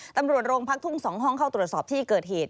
ตำรวจโรงพักทุ่ง๒ห้องเข้าตรวจสอบที่เกิดเหตุ